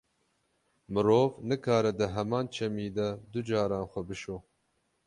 Mirov nikare di heman çemî de du caran xwe bişo.